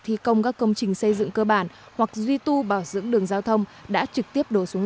thi công các công trình xây dựng cơ bản hoặc duy tu bảo dưỡng đường giao thông đã trực tiếp đổ xuống